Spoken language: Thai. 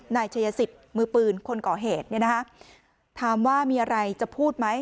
นายชัยสิทธิ์มือปืนคนก่อเหตุเนี่ยนะคะถามว่ามีอะไรจะพูดไหม